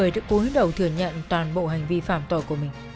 đã cuối đầu thừa nhận toàn bộ hành vi phạm tội của mình